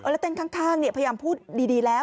แล้วเต้นข้างพยายามพูดดีแล้ว